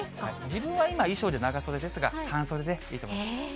自分は今、衣装で長袖ですが、半袖でいいと思います。